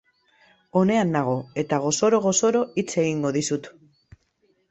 Onean nago, eta gozoro-gozoro hitz egingo dizut.